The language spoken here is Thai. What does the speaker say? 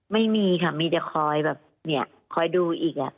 ไม่มีค่ะมีแต่คอยแบบเนี่ยคอยดูอีก